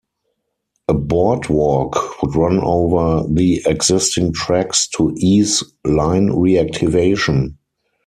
A boardwalk would run over the existing tracks to ease line reactivation.